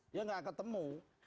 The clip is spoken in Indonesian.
dia gak ketemu